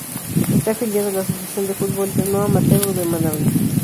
Está afiliado a la Asociación de Fútbol No Amateur de Manabí.